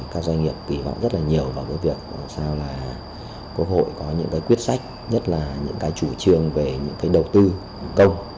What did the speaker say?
các doanh nghiệp kỳ vọng rất là nhiều vào cái việc làm sao là quốc hội có những cái quyết sách nhất là những cái chủ trương về những cái đầu tư công